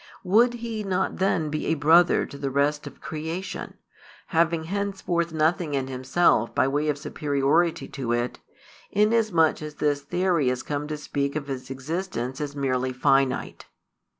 Would He not then be a brother to the rest of creation, having henceforth nothing in Himself by way of superiority to it, inasmuch as this theory has come to speak of His existence as merely finite?